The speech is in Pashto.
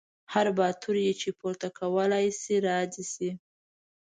هر باتور یې چې پورته کولی شي را دې شي.